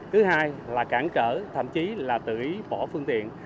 thứ hai là cản trở thậm chí là tự ý bỏ phương tiện